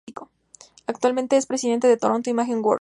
Actualmente es presidente de Toronto Image Works.